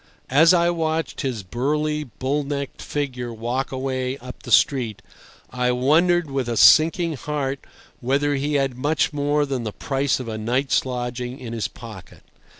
As I watched his burly, bull necked figure walk away up the street, I wondered with a sinking heart whether he had much more than the price of a night's lodging in his pocket.